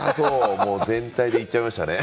全体で言っちゃいましたね。